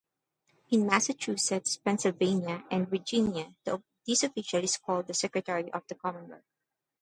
In Massachusetts, Pennsylvania, and Virginia, this official is called the secretary of the commonwealth.